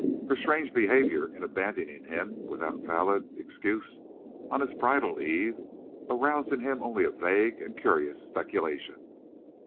Her strange behaviour in abandoning him without valid excuse on his bridal eve aroused in him only a vague and curious speculation.